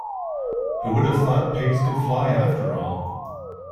Who would have thought pigs could fly after all?